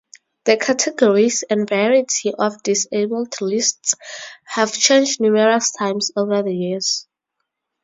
The categories and variety of disabled lists have changed numerous times over the years.